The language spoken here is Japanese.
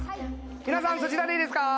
皆さんそちらでいいですか？